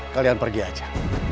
kalian pergi aja